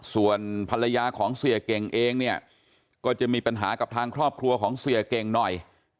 ส่วนภรรยาของเสียเก่งเองเนี่ยก็จะมีปัญหากับทางครอบครัวของเสียเก่งหน่อย